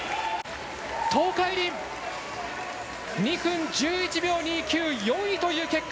東海林、２分１１秒２９４位という結果。